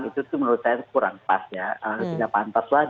itu menurut saya kurang pas ya tidak pantas lagi